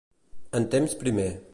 En temps primer.